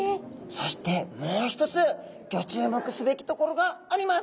そしてもう一つギョ注目すべきところがあります！